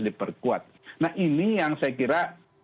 diperkuat nah ini yang saya kira